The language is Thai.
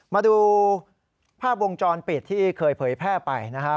มาดูภาพวงจรปิดที่เคยเผยแพร่ไปนะครับ